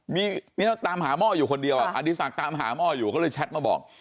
มีมีต้องตามหาหม้ออยู่คนเดียวอ่ะอันนี้สักตามหาหม้ออยู่เขาเลยแชทมาบอก